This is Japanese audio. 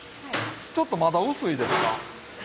ちょっとまだ薄いですか？